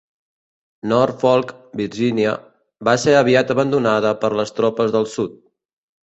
Norfolk, Virginia, va ser aviat abandonada per les tropes del sud.